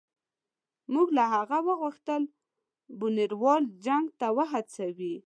موږ له هغه وغوښتل بونیروال جنګ ته وهڅوي.